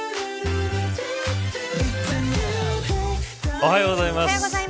おはようございます。